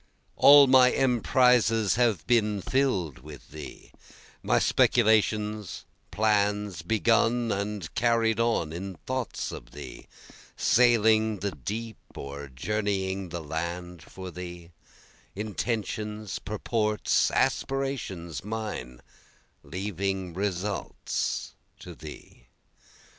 All my emprises have been fill'd with Thee, My speculations, plans, begun and carried on in thoughts of Thee, Sailing the deep or journeying the land for Thee; Intentions, purports, aspirations mine, leaving results to Thee.